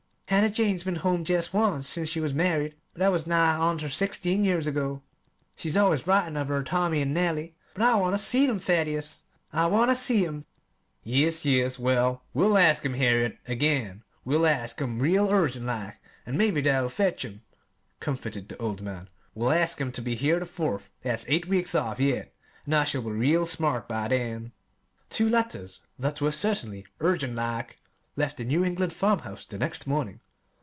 Hannah Jane's been home jest once since she was married, but that was nigh on ter sixteen years ago. She's always writin' of her Tommy and Nellie, but I want ter see 'em, Thaddeus; I want ter see 'em!" "Yes, yes; well, we'll ask 'em, Harriet, again we'll ask 'em real urgent like, an' mebbe that'll fetch 'em," comforted the old man. "We'll ask 'em ter be here the Fourth; that's eight weeks off yet, an' I shall be real smart by then." Two letters that were certainly "urgent like" left the New England farmhouse the next morning.